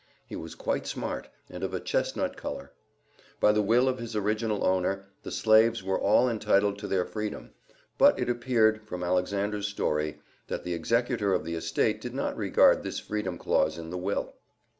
He was quite smart, and of a chestnut color. By the will of his original owner, the slaves were all entitled to their freedom, but it appeared, from Alexander's story, that the executor of the estate did not regard this freedom clause in the will.